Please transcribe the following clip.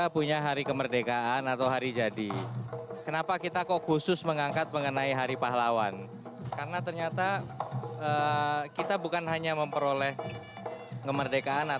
bapak melihatnya seperti apa